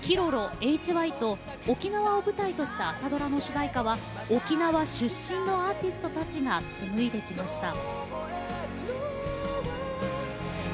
Ｋｉｒｏｒｏ、ＨＹと沖縄を舞台とした朝ドラの主題歌は沖縄出身のアーティストたちが紡いできました。